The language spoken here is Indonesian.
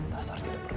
dasar tidak berlalu